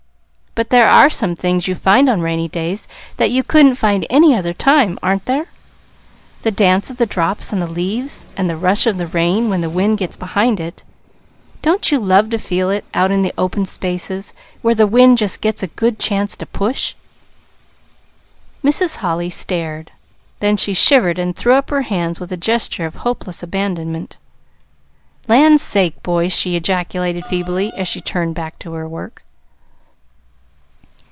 But there are some things you find on rainy days that you couldn't find any other time, aren't there? The dance of the drops on the leaves, and the rush of the rain when the wind gets behind it. Don't you love to feel it, out in the open spaces, where the wind just gets a good chance to push?" Mrs. Holly stared. Then she shivered and threw up her hands with a gesture of hopeless abandonment. "Land's sake, boy!" she ejaculated feebly, as she turned back to her work.